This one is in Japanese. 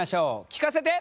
聞かせて！